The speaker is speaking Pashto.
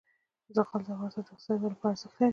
زغال د افغانستان د اقتصادي ودې لپاره ارزښت لري.